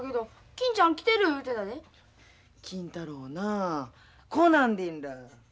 金太郎な来なんでんら。